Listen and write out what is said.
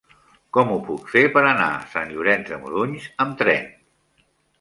Com ho puc fer per anar a Sant Llorenç de Morunys amb tren?